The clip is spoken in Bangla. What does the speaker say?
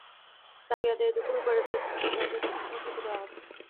দাবি আদায়ে দুপুরে উপাচার্যের কাছে স্মারকলিপি দেওয়া হবে।